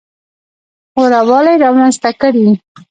غوره والی رامنځته کړي.